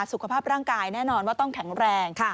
สุขภาพร่างกายแน่นอนว่าต้องแข็งแรง